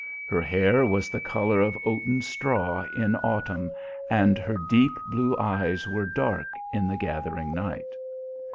Her hair was the colour of oaten straw in autumn and her deep blue eyes were dark in the gathering night.